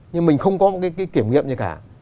nhưng mình không có một cái kiểm nghiệm như thế cả